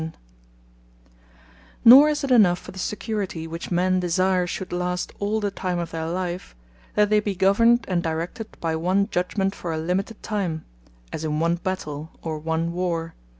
And That Continually Nor is it enough for the security, which men desire should last all the time of their life, that they be governed, and directed by one judgement, for a limited time; as in one Battell, or one Warre.